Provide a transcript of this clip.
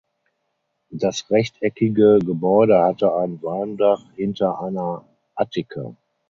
Das rechteckige Gebäude hatte ein Walmdach hinter einer Attika.